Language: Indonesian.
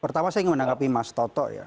pertama saya menanggapi mas toto